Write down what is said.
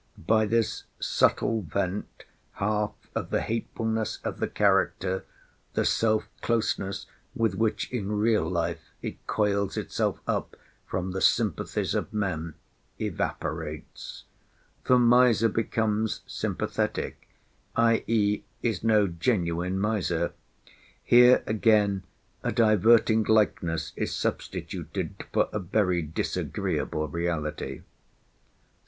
By this subtle vent half of the hatefulness of the character—the self closeness with which in real life it coils itself up from the sympathies of men—evaporates. The miser becomes sympathetic; i.e. is no genuine miser. Here again a diverting likeness is substituted for a very disagreeable reality.